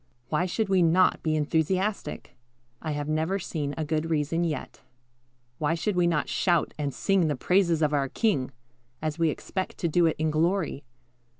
Why should we not be enthusiastic? I have never seen a good reason yet. Why should we not shout and sing the praises of our King, as we expect to do it in glory?